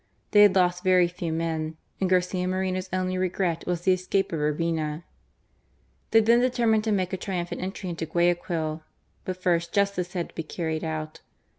They had lost very few men; and Garcia Moreno's only regret was the escape of Urbina. They then determined to make a triumphant entry into Guayaquil; but first justice had to be THE FIGHT OF JAMBELl. 165 carried out.